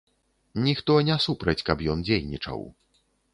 Ніхто не супраць, каб ён дзейнічаў.